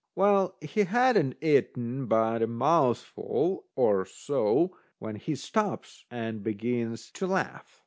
Well, he hadn't eaten but a mouthful or so when he stops and begins to laugh.